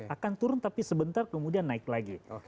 akan turun tapi sebentar kemudian naik lagi